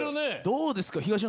どうですか？